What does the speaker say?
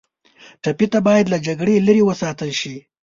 ټپي ته باید له جګړې لرې وساتل شي.